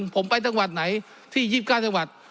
ผมไปจังหวัดไหนที่๒๙จังหวัด